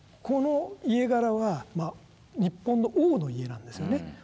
この家柄は日本の王の家なんですよね。